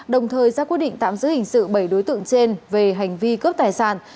đồng thời ra quyết định tạm giữ hình sự bảy đối tượng trên về hành vi cướp tài sản